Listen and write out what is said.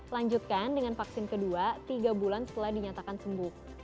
lanjutkan dengan vaksin kedua tiga bulan setelah dinyatakan sembuh